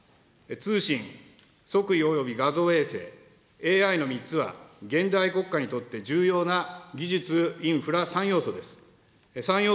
通信、測位および画像衛星、ＡＩの３つは現代国家にとって重要な技術インフラ３要素です。